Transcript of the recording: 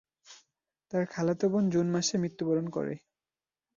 তার খালাতো বোন জুন মাসে মৃত্যুবরণ করে।